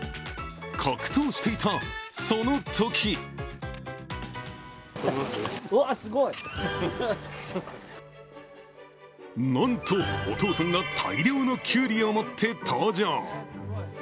格闘していた、そのときなんとお父さんが大量のキュウリを持って登場。